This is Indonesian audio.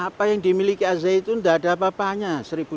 apa yang dimiliki azayitun tidak ada apa apanya